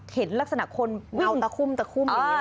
เห็นลักษณะคนวิ่งเอาแต่คุ้มเลยแหละ